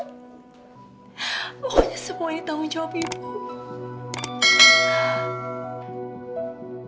pokoknya semua ini tanggung jawab ibu